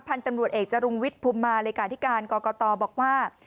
พันธุ์ตำรวจเอกจรุงวิทย์ภูมิมาเลขาธิการกรกตบอกว่า